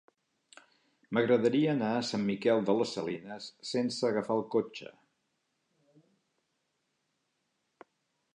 M'agradaria anar a Sant Miquel de les Salines sense agafar el cotxe.